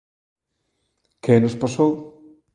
Que nos pasou?